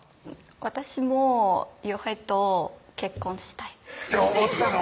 私も陽平と結婚したいって思ったの？